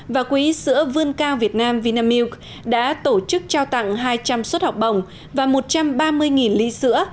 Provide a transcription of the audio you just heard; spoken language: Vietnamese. và quỹ sữa vươn cao việt nam vinamilk đã tổ chức trao tặng hai trăm linh suất học bổng và một trăm ba mươi ly sữa